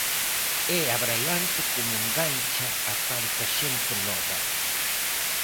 É abraiante como engancha a tanta xente nova.